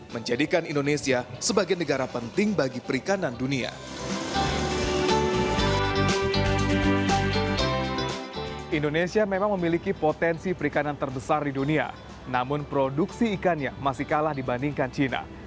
menjadikan indonesia sebagai negara penting bagi perikanan dunia